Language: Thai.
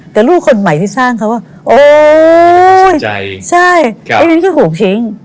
แต่ลูกคนใหม่ที่สร้างเขาว่าโอ๊ยใช่พวกนี้ก็โหกทิ้ง